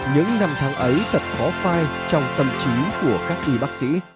những năm tháng ấy thật khó phai trong tâm trí của các y bác sĩ